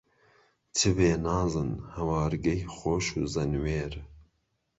چ بێ نازن، هەوارگەی خۆش و زەنوێر